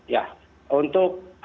ya untuk pemerintah